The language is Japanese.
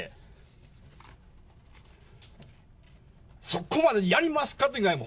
そこまでやりますか、人として。